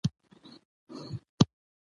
د مېلو له برکته خلک له خپلي ژبي سره مینه کوي.